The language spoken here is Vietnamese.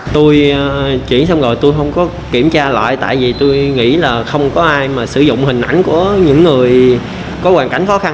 tôi chỉ xong rồi tôi không có kiểm tra lại tại vì tôi nghĩ là không có ai mà sử dụng hình ảnh của những người có hoàn cảnh khó khăn